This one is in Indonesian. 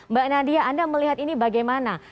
mbak nadia anda melihat ini bagaimana